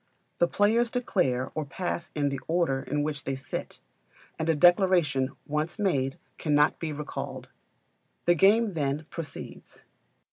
The players declare or pass in the order in which they sit; and a declaration once made cannot be recalled. The game then, proceeds.